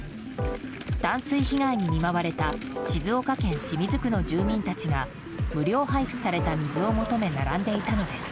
断水被害に見舞われた静岡県清水区の住民たちが無料配布された水を求め並んでいたのです。